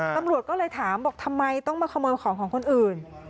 ตำรวจก็เลยถามบอกทำไมต้องมาขโมยของของคนอื่น